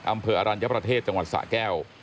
อำเภออรัญญประเทศจังหวัดสะแก้ว